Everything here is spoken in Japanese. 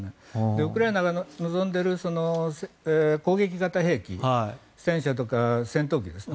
ウクライナが望んでいる攻撃型兵器戦車とか戦闘機ですね。